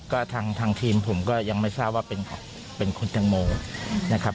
ก็ทางทีมผมก็ยังไม่ทราบว่าเป็นคุณตังโมนะครับ